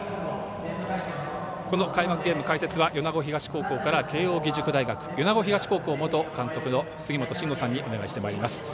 この開幕ゲーム、解説は米子東高校から慶応義塾大学米子東高校元監督の杉本真吾さんにお願いしてまいります。